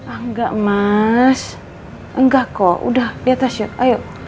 enggak mas enggak kok udah di atas yuk ayo